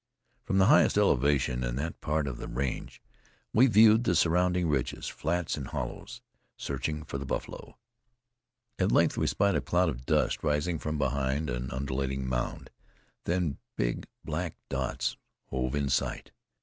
From the highest elevation in that part of the range we viewed the surrounding ridges, flats and hollows, searching for the buffalo. At length we spied a cloud of dust rising from behind an undulating mound, then big black dots hove in sight.